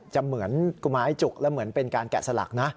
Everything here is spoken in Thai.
จะเหมือนกุมายจุกแล้วเหมือนเป็นการแกะสลักนะ